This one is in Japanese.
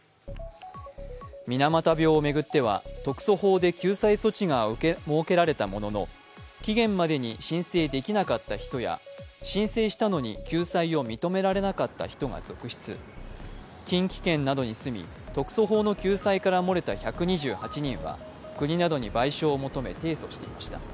水俣病を巡っては特措法で救済措置が設けられたものの期限までに申請できなかった人や申請したのに救済を認められなかった人が続出近畿圏などに住み、特措法の救済から漏れた１２８人は国などに賠償を求め提訴していました。